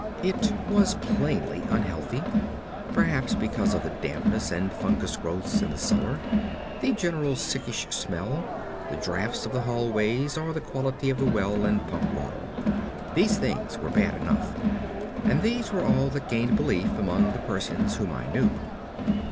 It was plainly unhealthy, perhaps because of the dampness and fungous growths in the cellar, the general sickish smell, the drafts of the hallways, or the quality of the well and pump water. These things were bad enough, and these were all that gained belief among the persons whom I knew.